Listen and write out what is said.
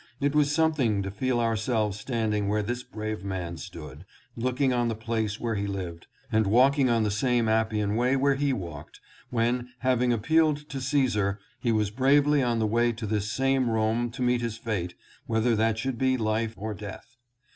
It was something to feel ourselves standing where this brave man stood, looking 700 ROME OF THE PAST. on the place where he lived, and walking on the same Appian Way where he walked, when, having appealed to Caesar, he was bravely on the way to this same Rome to meet his fate, whether that should be life or death.